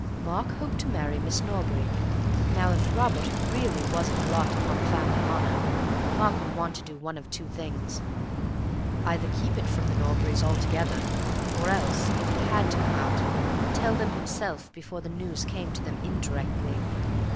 Mark hoped to marry Miss Norbury. Now, if Robert really was a blot upon the family honour, Mark would want to do one of two things. Either keep it from the Norburys altogether, or else, if it had to come out, tell them himself before the news came to them indirectly.